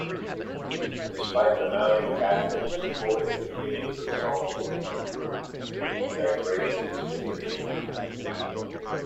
Despite the mounting casualties, Napoleon continued to assault Bagration's position.